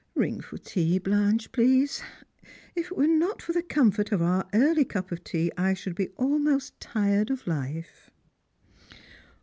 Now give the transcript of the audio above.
— Ring for tea, Blanche, please. If it were not for the comfort of our early cup of tea, I should be almost tired of life."